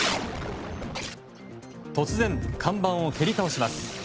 突然、看板を蹴り倒します。